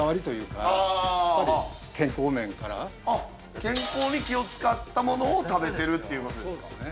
健康に気を使ったものを食べてるっていうことですか。